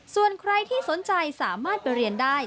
ส่วนใครที่สนใจสามารถไปเรียนได้